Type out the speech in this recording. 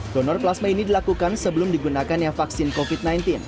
donor plasma ini dilakukan sebelum digunakannya vaksin covid sembilan belas